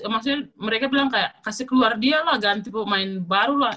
maksudnya mereka bilang kayak kasih keluar dia lah ganti pemain baru lah